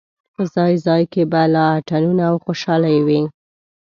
په ځای ځای کې به لا اتڼونه او خوشالۍ وې.